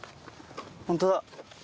ホントだ！